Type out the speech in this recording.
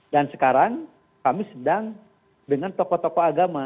dan sekarang kami sedang dengan tokoh tokoh agama